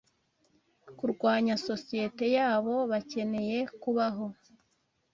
kurwanya sosiyete yabo bakeneye kubaho,